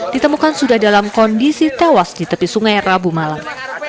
ditemukan sudah dalam kondisi tewas di tepi sungai rabu malam